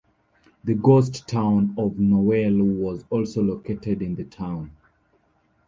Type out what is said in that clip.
The ghost town of Nowell was also located in the town.